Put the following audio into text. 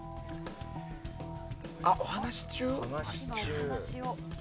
あ、お話し中？